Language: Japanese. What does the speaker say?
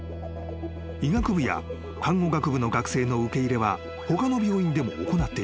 ［医学部や看護学部の学生の受け入れは他の病院でも行っている］